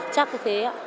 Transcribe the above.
chắc là thế ạ